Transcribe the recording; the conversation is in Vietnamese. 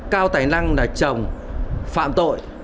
cao tài năng là chồng phạm tội